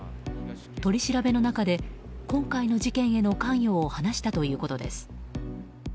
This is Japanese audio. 取り調べの中で今回の事件への関与を話したということです。